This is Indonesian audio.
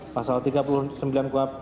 pasal tiga puluh kuhab